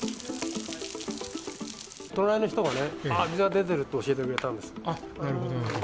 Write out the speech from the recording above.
隣の人が、水が出てるって教えてくれたんです。